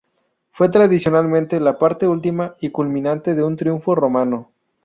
Fue tradicionalmente la parte última, y culminante, de un triunfo romano.